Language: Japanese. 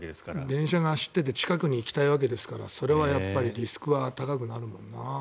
電車が走ってて近くに行きたいわけですからそれはやっぱりリスクは高くなるもんな。